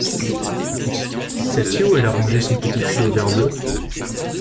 Sais-tu où elle a rangé son petit pull-over bleu?